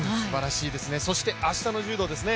そして、明日の柔道ですね。